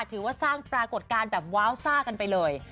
ถือว่าสร้างปรากฏการณ์แบบว้าวซ่ากันไปเลย